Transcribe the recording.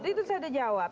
itu sudah saya jawab